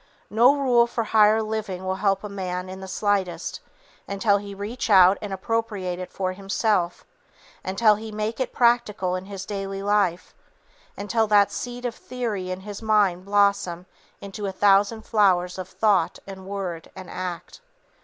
No rule for higher living will help a man in the slightest, until he reach out and appropriate it for himself, until he make it practical in his daily life, until that seed of theory in his mind blossom into a thousand flowers of thought and word and act.